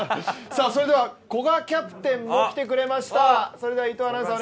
古賀キャプテンも来てくれました。